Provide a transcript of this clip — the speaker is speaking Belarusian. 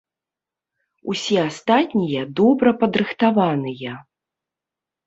Усе астатнія добра падрыхтаваныя.